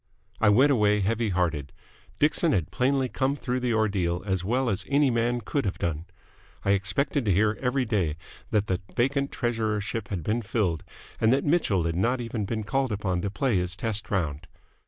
I went away heavy hearted. Dixon had plainly come through the ordeal as well as any man could have done. I expected to hear every day that the vacant treasurership had been filled, and that Mitchell had not even been called upon to play his test round.